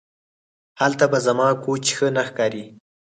هلته به زما کوچ ښه نه ښکاري